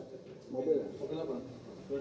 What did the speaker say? oh mobil punya edwin